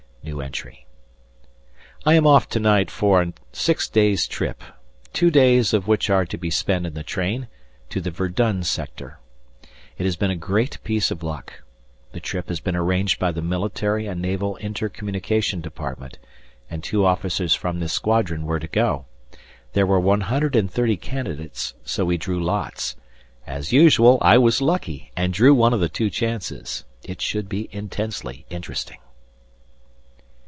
I am off to night for a six days trip, two days of which are to be spent in the train, to the Verdun sector. It has been a great piece of luck. The trip had been arranged by the Military and Naval Inter communication Department; and two officers from this squadron were to go. There were 130 candidates, so we drew lots; as usual I was lucky and drew one of the two chances. It should be intensely interesting.